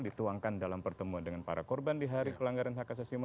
dituangkan dalam pertemuan dengan para korban di hari pelanggaran hak asasi manusia